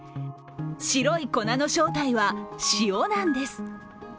白い粉の正体は塩なんです。